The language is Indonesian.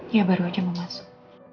dia baru aja mau masuk